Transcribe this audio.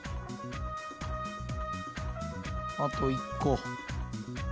あと一個。